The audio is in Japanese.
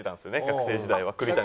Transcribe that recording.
学生時代は。